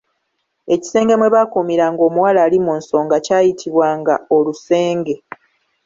Ekisenge mwe baakuumiranga omuwala ali mu nsonga kyayitibwanga Olusenge.